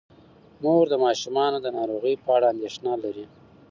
مور د ماشومانو د ناروغۍ په اړه اندیښنه لري.